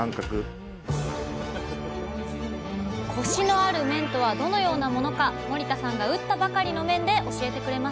コシのある麺とはどのようなものか森田さんが打ったばかりの麺で教えてくれました